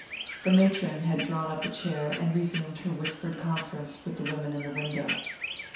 The matron had drawn up a chair and resumed her whispered conference with the women in the window.